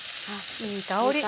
いい香り！